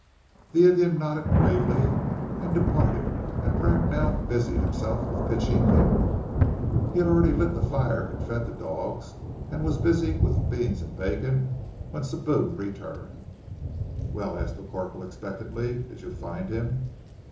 The Indian nodded gravely and departed and Bracknell busied himself with pitching camp. He had already lit the fire and fed the dogs, and was busy with the beans and bacon when Sibou returned. "Well?" asked the corporal expectantly. "Did you find him?"